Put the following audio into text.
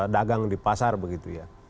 dagang di pasar begitu ya